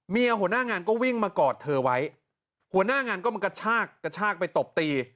หัวหน้างานก็วิ่งมากอดเธอไว้หัวหน้างานก็มากระชากกระชากไปตบตี